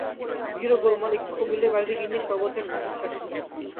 ভিড় ও গোলমাল একটু কমিলে বাড়ির গিন্নি সর্বজয়ার সম্মুখে আসিলেন।